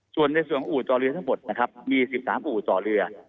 ส่วนในส่วนอู่ต่อเรือทั้งหมดนะครับมี๑๓อู่ต่อเรือ